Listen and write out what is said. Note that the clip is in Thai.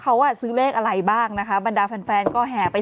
เขาอ่ะซื้อเลขอะไรบ้างนะคะบรรดาแฟนแฟนก็แห่ไป